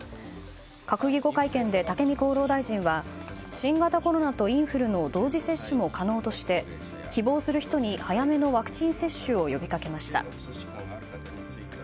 閣議後、会見で武見厚労大臣は新型コロナとインフルの同時接種も可能として希望する人に早めのワクチン接種を呼びかけました。